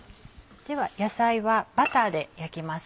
では野菜はバターで焼きます。